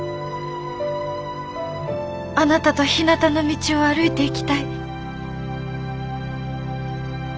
あなたとひなたの道を歩いていきたい。